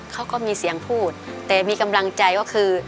เขาก็มีเสียงพูดแต่มีกำลังใจก็คือ